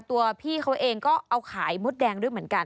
ตัวพี่เขาเองก็เอาขายมดแดงด้วยเหมือนกัน